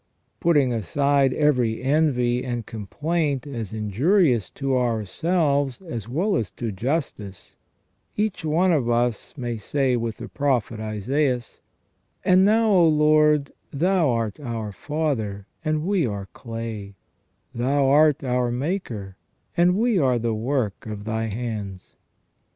Putting aside every envy and complaint as injurious to ourselves as well as to justice, each one of us may say with the Prophet Isaias : "And now, O Lord, Thou art our Father, and we are clay : Thou art our Maker, and we all are the work of Thy hands".